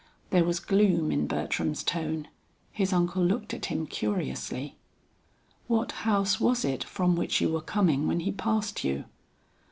There was gloom in Bertram's tone; his uncle looked at him curiously. "What house was it from which you were coming when he passed you?"